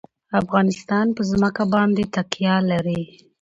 افغانستان په ځمکه باندې تکیه لري.